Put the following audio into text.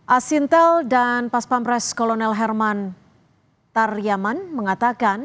asintel dan pas pampres kolonel herman taryaman mengatakan